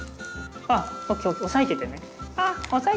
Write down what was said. ＯＫ押さえててね。